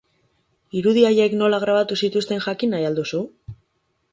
Irudi haiek nola grabatu zituzten jakin nahi al duzu?